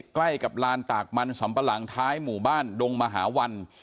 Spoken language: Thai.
ใกล้กับลานตากมันสำปะหลังท้ายหมู่บ้านดงมหาวัน